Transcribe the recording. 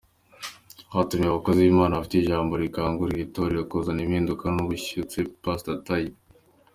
"Twatumiye abakozi b'Imana bafite ijambo rikangurira itorero kuzana impinduka n'ububyutse" Pst Tayi.